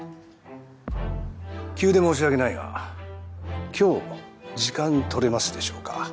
急で申し訳ないが今日時間取れますでしょうか？